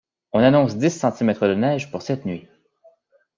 On annonce dix centimètres de neige pour cette nuit.